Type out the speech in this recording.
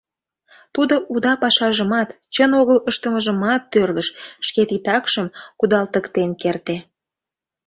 Тудо уда пашажымат, чын огыл ыштымыжымат тӧрлыш, шке титакшым кудалтыктен керте.